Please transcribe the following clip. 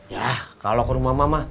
yah kalau ke rumah mama mah